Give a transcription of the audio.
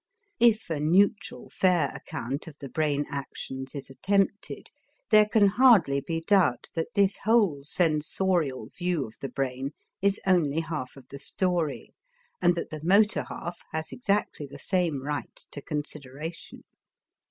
If a neutral fair account of the brain actions is attempted, there can hardly be doubt that this whole sensorial view of the brain is only half of the story and that the motor half has exactly the same right to consideration.